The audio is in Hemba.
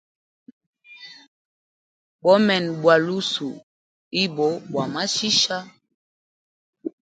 Bomene bwa lusuhu ibo bwa machicha.